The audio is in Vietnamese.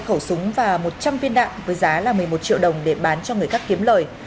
hai khẩu súng và một trăm linh viên đạn với giá là một mươi một triệu đồng để bán cho người khác kiếm lời